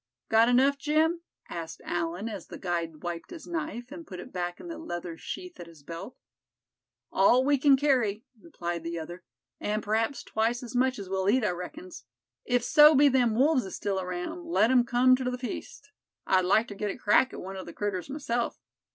"Got enough, Jim?" asked Allan, as the guide wiped his knife, and put it back in the leather sheath at his belt. "All we kin kerry," replied the other, "an' p'raps twice as much as we'll eat, I reckons. If so be them wolves is still around, let 'em come ter the feast. I'd like ter git a crack at one of the critters, myself.